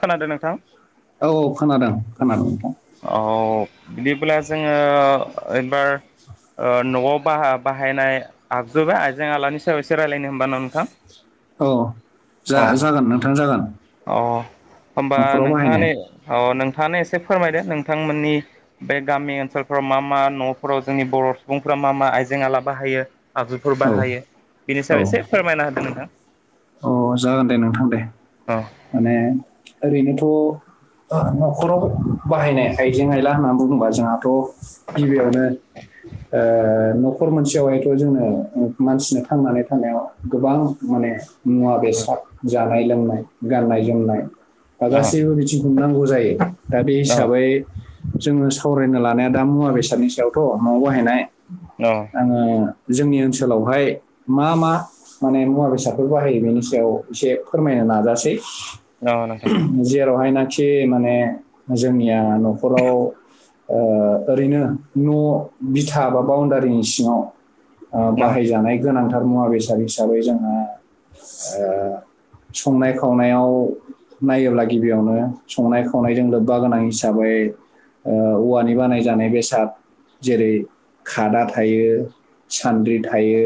खोनादों नोंथां? औ औ खोनादों खोनादों औ बिदिब्ला जोङो ऐबार न'आव बाहा-बाहायनाय आगजु बा आइजें आलानि सायाव एसे रायजलायनो होनबा नोंथां औ अ जा-जागोन नोंथां जागोन । अ होनबा नोंथाङानो अ नोंथाङानो एसे फोरमायदो नोंथांमोननि बे गामि ओनसोलफोराव मा मा न'फोराव जोंनि बर' सुबुंफ्रा मा मा आइजें आला बाहायो आगजुफोर औ बाहायो बिनि सायाव एसे फोरमायना होदों नोंथां अ जागोन दे नोंथां दे अ माने ओरैनोथ' थ' न'खराव बाहायनाय आइजें आयला होननानै बुङोबा जोंहाथ' गिबियावनो ओ न न'खर मोनसेयावहायथ' जोंनो मानसिनो थांनानै थानायाव गोबां माने मुवा - बेसाद, जानाय - लोंनाय, गाननाय - जोमनाय बा अ गासैबो बिथिंखौ नांगौ जायो दा बे अ हिसाबै जोङो सावरायनो लानाया दा मुवा बेसादनि सायावथ' न'वाव बाहायनाय आङो जोंनि ओनसोलावहाय मा मा माने मुवा बेसादफोर बाहायो बेनि सायाव एसे फोरमायनो नाजासि नोंथां जेरावहायनाखि ए माने जोंनिया न'खराव ओरैनो न' बिथा बा बाउनडारिनि सिङाव ओ न बाहायजानाय गोनांथार मुवा बेसाद हिसाबै जोंहा ओ संनायखौ खावनायाव नायोब्ला गिबियावनो संनाय खावनायजों लोब्बा गोनां हिसाबै ओ औवानि बानायजानाय बेसाद जेरै - खादा थायो सान्द्रि थायो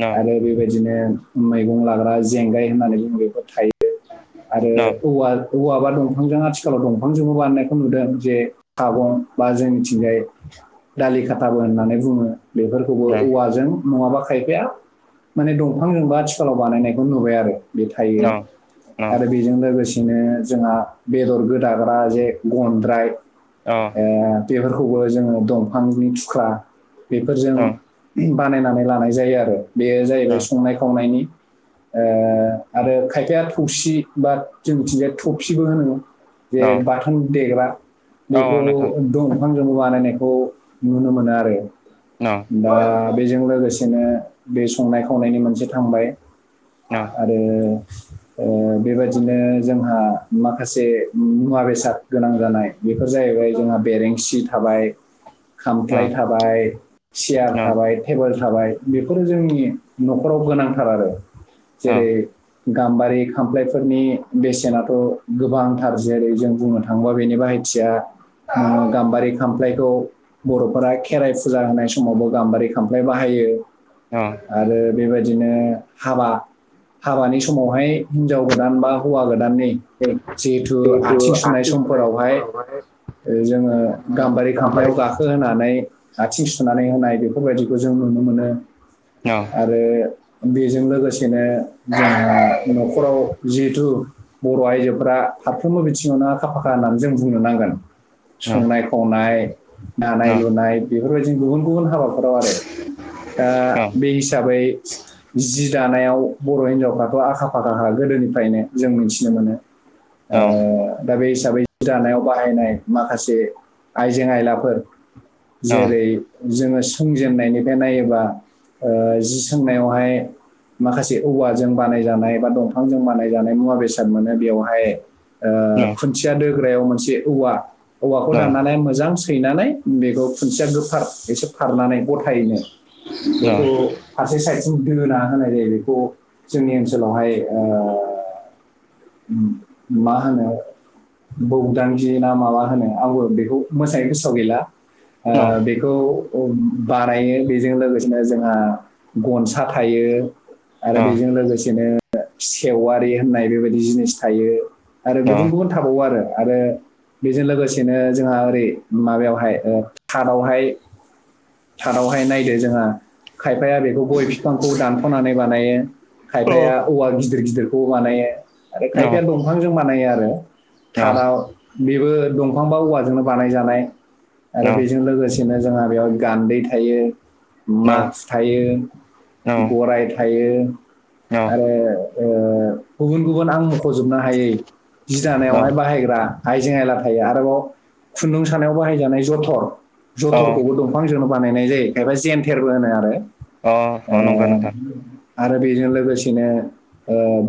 न आरो बेबायदि बिदिनो मैगं लाग्रा जेंगाय होननानै बुङो बेफोर थायो आरो न औवा औवाबा दंफांजों आथि खालाव दंफांजोंबो बानायनायखौ नुदों जे सागं बा जोंनिथिंजाय दालि खाथाबो होननानै बुङो बेफोरखौबो न औवाजों नङाबा खायफाया माने दंफांजोंबो आथिखालाव बानायनायखौ नुबाय आरो बे थायो न । बेजों लोगोसेनो जोंहा बेदर गोदाग्रा जे गनद्राय न ओ बेफोरखौबो जोङो दंफांनि थुख्रा बेफोरजों न बानायनानै लानाय जायो आरो बेयो जाहैबाय जिहेथु संनाय खावनायनि ओ आरो खायफाया थौसि बा जोंनिथिंजाय थफसिबो होनो जे बाथोन देग्रा बेखौ दंफांजोंबो बानायनाय खौ नुनो मोनो आरो दा बेजों लोगोसे बिदिनो बे संनाय खावनायनि मोनसे थांबाय आरो ओ बेबायदिनो जोंहा माखासे मुवा बेसाद गोनां जानाय बेफोर जाहैबाय जोंहा बेरेंसि थाबाय ‌। [inaudible] खामफ्लाय थाबाय सियार थाबाय टेबोल थाबाय बेफोरो जोंनि न'खराव गोनांथार आरो जेरै गाम्बारि खामफ्लायफोरनि बेसेनाथ' गोबांथार जेरै जों बुंनो थाङोबा बेनि बाय मानसिया नोङो गाम्बारि खामफ्लायखौ बर'फोरा खेराइ फुजा होनाय समावबो गाम्बारि खामफ्लाय बाहायो आरो बेबायदिनो हाबा हाबानि समावहाय हिनजाव गोदान बा हौवा गो दाननि जिहेथु आथिं सुनाय समफोरावहाय जोङो गाम्बारि खामफ्लायाव गाखोहोनानै आथि सुनानै होनाय बेफोरबायदिखौ जों नुनो मोनो अ आरो बेजों लोगोसेनो जोंहा नखराव जिहेथु बर' आइजोफोरा फारफ्रोमबो बिथिङावनो आखा फाखा होननानै जों बुंनो नांगोन । संनाय खावनाय दानाय लुनाय बेफोरबायदि गुबुन गुबुन हाबा आरस ओ बे हिसाबै जि दानायाव बर' हिनजावफ्राथ' आखा फाखाखा गोदोनिफ्रायनो जों मिथिनो मोनो । ओ दा बे हिसाबै दानायाव बाहायनाय माखासे आइजें आयलाफोर जेरै जोङो सोंजेनन्नायनिफ्राय ओ नायोबा जि सोंनायावहाय माखासे औवाजों बानायजानाय दंफांजों बानाय जानाय मुवा बेसाद मोनो बेवहाय ओ खुन्थियादो दानायाव मोनसे औवा औवाखौ दाननानै‌ मोजां सैनानै बेखौ खुन्थिया गोखार एसे फारनानै गथायैनो बेखौ फारसे साइडसिम होना होनाय जायो बेखौ जोंनि ओनसोलावहाय ओ मा होनो बौदांगिना माबा होनो आंबो बेखौ मोजांङै गोसोआव गैला । ओ बेखौ खौ बानायो बेजों लोगोसेनो जोंहा गनसा थायो । आरो बेजों लोगोसेनो सेवारि होननाय बेबायदि जिनिस थायो । आरो गुबुन गुबुन थाबावो आरो आरो बेजों लोगोसेनो जोंहा ओरै माबायावहाय थारावहाय थारावहाय नायदो जोंहा खायफाया बेखौ गय बिफांखौ दानख'नानै बानायो खायफाया औवा गिदिर गिदिरखौ मानायो आरो खायथाया दंफांजों बानायो आरो । थाराव बेबो दंफां बा औवाजोंनो बानायजानाय आरो बेजों लोगोसे बिदिनो जोंहा बेयाव गान्दै थायो । मास्क थायो गराय थायो । आरो ओ गुबुन गुबुन आं मख'जोबनो हायै जि दानायावहाय बाहायग्रा आइजें आयला थायो आरोबाव खुन्दुं सानायाव बाहायजानाय जथर जथरखौबो दंफां जो बानायनाय जायो खायबा जेन्थेरबो होनो आरो अ नंगौ ओ नोंथां आरो बेजों लोगोसेनो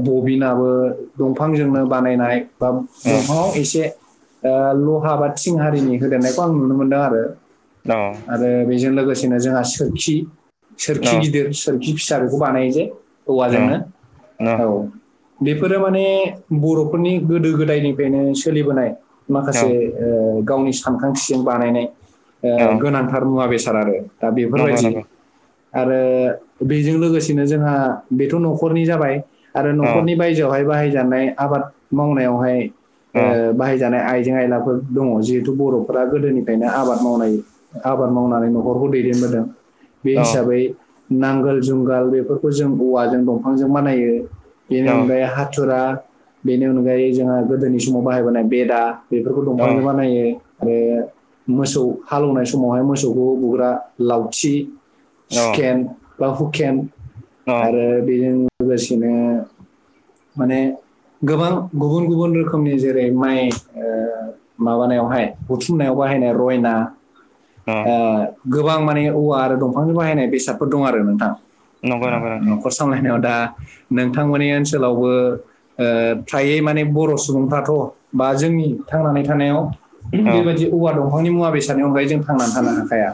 बबिनाबो दंफांजोंनो बानायनाय बा औ दंफाङाव एसे ओ लहा बा थिं आरिनि होदेरनायखौ आं नुनो मोनदों आरो औ आरो बेजों लोगोसे जोंहा सोरखि सोरखि औ गिदिर सोरखि फिसा बेखौ बानाय जे ओ औवाजोंनो औ बेफोरो माने बर'फोरनि गोदो गोदायनिफ्रायनो सोलिबोनाय औ माखासे ओ गावनि सानखांथिजों बानायनाय ओ औ गोनांथार मुवा बेसाद दा नंगौ बेफोरबायदि आरो बेजों लोगोसेनो जोंहा बेथ' न'खर न'खरनि जाबाय आरो न'खरनि औ बायजोआवहाय बाहायजानाय आबाद मावनायावहाय ओ औ बाहायजानाय आय जेंआइलाफोर दङ जिहेतु बर'फोरा गोदोनिफ्रायनो आबाद मावनाय आबाद मावनानैङ नखरखौ दैदेनबोदों बे औ हिसाबै नांगोल जुंगाल बेफोरखौ जों औवाजों दं बिफांजों बानायो औ बेनि अनगायै हाथुरा। बेनि अनगायै जोंहा गोदोनि समाव बाहायबोनाय बेदा बेफोरखौ औ दंफांजों बानायो। आरो मोसौ हालेवनाय समावहाय मोसौखौ बुग्रा लावथि। औ सुखेम बा हुकेम आरो औ बेजों लोगोसेनो माने गोबां गुबुन गुबुन रोखोमनि जेरै माइ माबानायावहाय बुथुमनायाव बाहायनाय रयना। ओ गोबां माने औवा आरो दंफांनि बाहायनाय बेसादफोर दं आरो नोंथां। नंग नंग नोंथां। न'खर [unintelligible] दा नोंथांमोननि ओनसोलावबो ओ फ्रायै माने बर' सुबुंफ्राथ' बा जोंनि थांनानै थानायाव औ बेबायदि औवा दंफांनि मुवा बेसादनि अनगायै जों थांनानै थानो हाखाया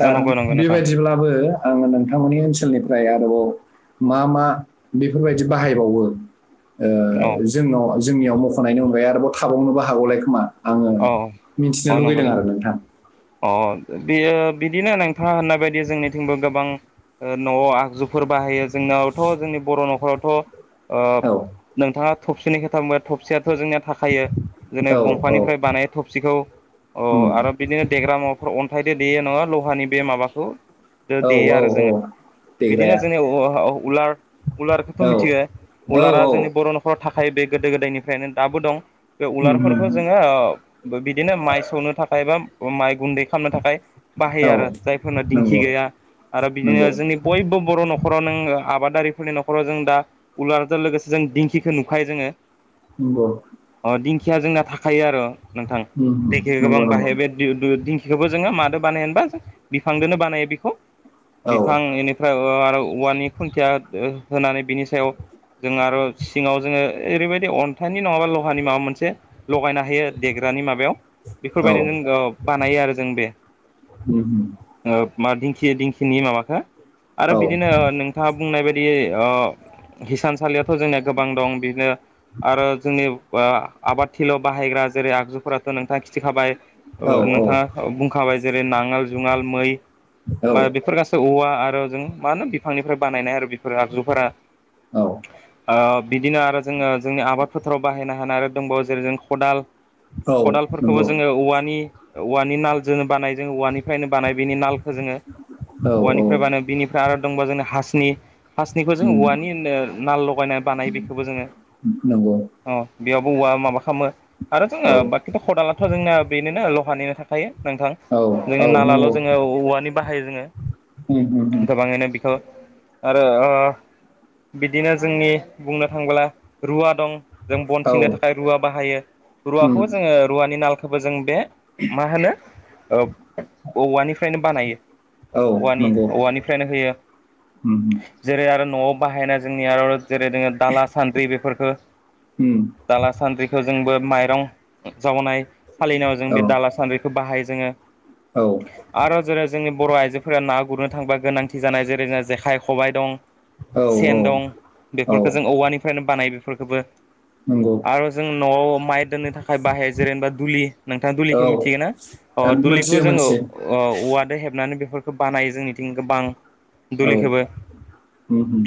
दा नंगौ नंगौ नोंथां बेबायदिब्लाबो आङो नोंथांमोननि ओनसोलनिफ्राय आरोबाव मा मा बेफोरबायदि बाहायबावो? ओ औ जोंनाव जोंनियाव मख'नायनि अनगायै आरोबाव थाबावनोबो हागौलाय खोमा आङो औ मिथिनो अ नंगौ लुगैदों आरो नोंथां नंगौ अ बेयो बिदिनो नोंथाङा होननाय बायदि जोंनिथिंबो गोबां न'आव आगजुफोर बाहायो जोंनावथ' जोंनि बर' न'खरावथ' ओ औ नोंथाङा थबसिनि खोथा बुंबाय थबसियाथ' जोंनिया थाखायो जेने औ औ दंफांनिफ्राय बानाय थबसिखौ अ उम आरो बिदिनो देग्रा मुवाफोर अन्थायदो देयो नङा लहानि बे माबाखौ दो औ देयो आरो औ जोङो औ। बिदिनो देग्राया जोंनि उलार उलारखौथ' औ मिथियो औ उलारा जोंनि बर' न'खराव थाब बे गोदो गोदायनिफ्रायनो दाबो दं बे उम उम उलार्फोरखौ जोङो। बिदिनो माइ सौनो थाखाय बा माइ गुन्दै खालामनो थाखाय। औ बाहायो आरो जायफोरना दिंखि नंगौ गैया। आरो नंगौ बिदिनो जोंनि बयबो बर' न'खराव नों आबादारि फोरनि न'खराव जों दा उलारजों लोगोसे जों दिंखिखौ नुखायो जोङो। नोंगौ। [unintelligible] जोंना थाखायो आरो। नोंथां उम उम दिंखिखौ गोबां नंगौ नंगौ बाहायो बे दिंखिखौबो जोङो मादो बानायो होनबा जों बिफांजों नो बानायो बेखौ बिफां औ बेनिफ्राय आरो औवानि खुन्थिया होनानै बिनि सायाव जों आरो सिङाव जोङो ओरैबायदि अन्थाइनि नङाबा लहानि माबा मोनसे लगायना हायो आरो। देग्रानि माबायाव बेफोरबायदि औ नो अ बानायो आरो जों बे उम उम मा दिंखिया दिंखिनि माबाखो आरो औ बिदिनो नोंथाङा बुंनाय बायदि बि ओ हिसानसालियाथ' जोंनिया गोबां दं बिदिनो आरो जोंनि ओ आबाद थिलियाव' बाहायग्रा जेरै आगजुफोराथ' नोंथाङा खिनथाखाबाय औ नोंथाङा बुंखाबाय जेरै नाङोल जुङाल औ मै बेफोर गासै औवा आरो जों मा होनो बिफांनिफ्राय बानायनाय आरो बेफोरो आगजुफोरा औ ओ बिदिनो आरो जोङो जोंनि आबाद फोथाराव बाहायनो हानाय आरो दंबावो जेरै खदाल। औ खदालफोरखौबो नंगौ जोङो औवानि औवानि नाल जो बानाय‌ औवानि निफ्रायनो बानाय बिनि नालखौ जोङो औ औ औवानिफ्राय बानो बिनिफ्राय आरो दंबावो जोंना हासनि। हासनिखौ जों उम औवानिनो नाल लगायनानै बानायो बेखौबो जोङो। नंगौ अ बेयावबो औवा माबा खामो। आरो जोङो औ बाखिथ' खदालाथ' जोंनाया बेनिनो लहानिनो थाखायो। नोंथां औ जोंनि औ नालाल' नंगौ जोङो औवानि बाहायो जोङो। उम उम गोबाङैनो बेखौ आरो ओ बिदिनो जोंनि बुंनो थांबोला रुवा दं। जों बन उम औ सिंनो थाखाय रुवा बाहायो उम रुवाखौबो जोङो रुवानि नालखौबो जों बे मा होनो औवानिफ्रायनो बानायो। औ औवानि नंगौ औवानिफ्रायनो होयो उम उम जेरै आरो न'वाव बाहायनाय जोंनि आर जेरै जोङो दाला सान्द्रै बेफोरखौ उम दाला सान्द्रिखौ जोंबो माइरं जावनाय सालिनायाव जों औ बे दाला सान्द्रैखौ बाहायो जोङो। औ आरो जेरै जोंनि बर' आइजोफोरा ना गुरनो थांबा गोनांथि जानाय जेरै जेरै जेखाइ खबाइ दं। औ सेन दं औ औ बेफोरखौ जों औवानिफ्रायनो बानायो बेफोरखौबो नंगौ आरो जों न'आव माइ नि थाखाय बाहाय जेरै होनबा दुलि नोंथाङा औ दुलिखौ मिथिगोना अ दुलिखौबो मोनथियो जोङो मोनथियो औवाद हेबनानै बेफोरखौ बानायो जोंनिथिं गोबां औ दुलिखौबो उम उम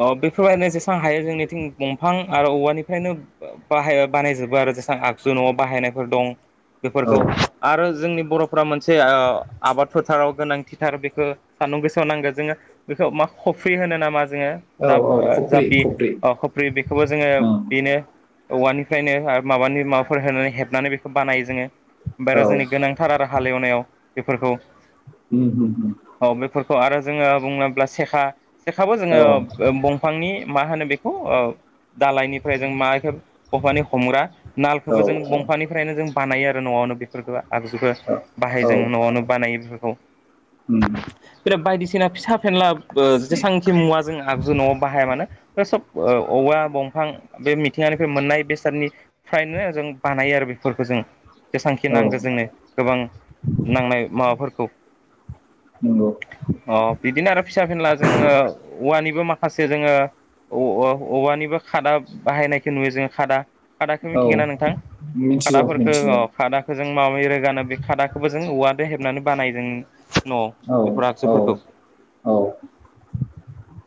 अ बे थुरायनो जेसेबां हायो जोंनिथिं दंफां आरो औवानिफ्रायनो बाहाय बानायजोबो आरो। जेसां आगजु न'वाव बाहायनायफोर दं औ बेफोरखौ आरो जोंनि बर'फ्रा मोनसे आबाद फोथाराव गोनांथिथार बेखौ सान्दुं गोसोआव नांगोन जोङो बेखौ मा खफ्रि होनो नामा? जोङो औ जाप औ खफ्रि जापि खफ्रि अ खफ्रि बेखौबो जोङो ओं बेनो औवानिफ्रायनो माबानि माबाफोर होनानै हेबनानै बेखौ बानायो जोङो। औ बाहेरा जोंनि गोनांथार आरो हालेवनायाव बेफोरखौ उम उम उम औ बेफोरखौ आरो जोङो बुंङोब्ला सेखा सेखाबो जोङो औ बंफांनि मा होनो बेखौ ओ दालायनिफ्राय जों माखौ अफानि हमग्रा औ नालखौबो जों बंफानिफ्रायनो जों बानायो आरो न'वावनो बेफोरखौ आगजुखो औ बाहाय औ जों न'आवनो बानायो बेफोरखौ उम बिदिनो बायदिसिना फिसा फेेनला जेसांखि मुवा जों आगजु न'आव बाहाया मानो बेफोर [unintelligible] सब औवा दंफां बे मिथिंगानिफ्राय मोननाय बेसादनि फ्रायनो जों बानायो आरो बेफोरखौ जों जेसांखि औ नांगो जोंनो गोबां नांनाय माबाफोरखौ नंगौ अ बिदिनो आरो फिसा फिनला जोङो औवानिबो माखासे जोङो औ औव औवानिबो खादा बाहायनायखौ नुयो जोङो खादा खादाखौ औ मिथिगोन ना नोंथां? मिथिगौ खादाफोरखौ अ मिथिगौ खादाखौ जों माबै रोगानो बे खादाखौबो जों औवादो हेबनानै बानाय जों। न'आव औ बेफोर औ आगजुफोरखौ औ।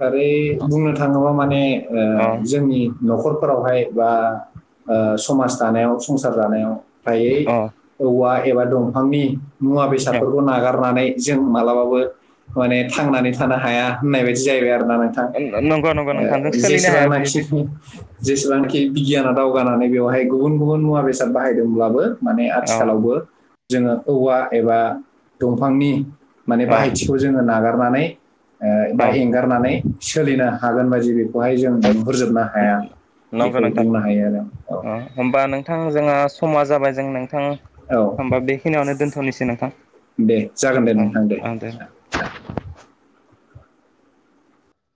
ओरै बुंनो थाङोबा माने ओ अ जोंनि न'खरफोरावहाय बा ओ समाज दानायाव संसार जानायाव फ्रायै अ औवा एबा दंफांनि मुवा औ बेसादफोरखौ नागारनानै जों मालाबाबो माने थांनानै थानो हाया होननाय बायदि जाहैबाय आरो। लाना थां नंगौ नंगौ नोंथांजों ओ सोलिनो हाया जेसेबांनोखि बे जेसेबांखि बिगियाना दावगानानै बेवहाय गुबुन गुबुन मुवा बेसाद बाहायदोंब्लाबो माने औ आथिखालावबो जोङो औवा एबा दंफांनि माने औ बाहायथिखौ जोङो नागारनानै ओ बा औ एंगारनानै सोलिनो हागोन बायदि बेखौहाय जों नुहुरजोबनो हाया। नांगौ बेखौ नोंथां बुंनो हायो आरो औ अ होमबा नोंथां जोंहा समा जाबाय जों नों थां औ ओमबा बेखिनियावनो दोन्थ'नोसै नोंथां दे जागोन दे नोंथां औ औ दे